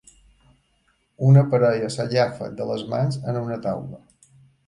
Una parella s'agafa de les mans en una taula.